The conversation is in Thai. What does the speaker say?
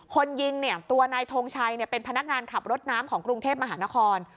คนยิงเนี่ยตัวนายทงชัยเป็นพนักงานขับรถน้ำของกรุงเทพมหานคร